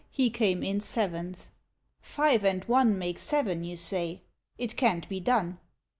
He came in seventh. —Five and one Make seven, you say ? It can't be done."